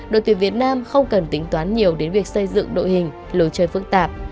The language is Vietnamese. đội tuyển việt nam không cần tính toán nhiều đến việc xây dựng đội hình lối chơi phức tạp